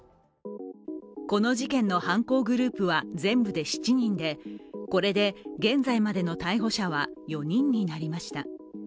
この事件の犯行グループは全部で７人でこれで現在までの逮捕者は４人になりました。